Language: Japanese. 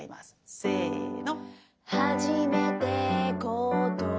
せの。